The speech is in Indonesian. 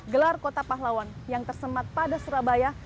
gelar kota pahlawan yang tersemat pada surabaya